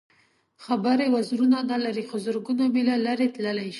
خبرې وزرونه نه لري خو زرګونه مېله لرې تللی شي.